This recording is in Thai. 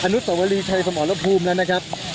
อนุสวรีชัยสมอร์ตและภูมิแล้วนะครับ